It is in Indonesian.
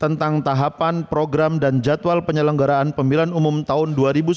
tentang tahapan program dan jadwal penyelenggaraan pemilihan umum tahun dua ribu sembilan belas